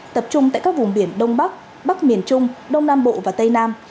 tập trung tại các vùng biển đông bắc bắc miền trung đông nam bộ và tây nam